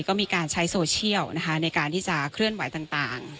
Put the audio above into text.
ก็มีการใช้โซเชียลนะคะในการที่จะเคลื่อนไหวต่าง